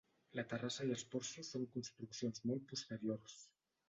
La terrassa i els porxos són construccions molt posteriors.